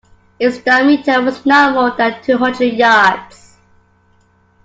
Its diameter was not more than two hundred yards.